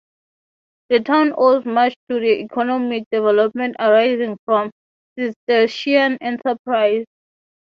The town owes much to the economic development arising from Cistercian enterprise.